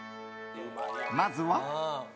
まずは。